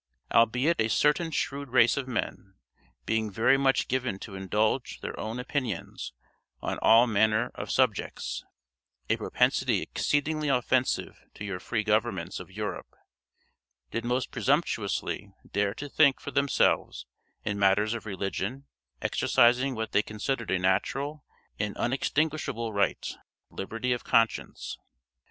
Albeit a certain shrewd race of men, being very much given to indulge their own opinions on all manner of subjects (a propensity exceedingly offensive to your free governments of Europe), did most presumptuously dare to think for themselves in matters of religion, exercising what they considered a natural and unextinguishable right the liberty of conscience.